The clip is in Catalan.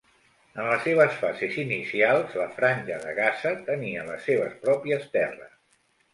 En les seves fases inicials, la Franja de Gaza tenia les seves pròpies terres.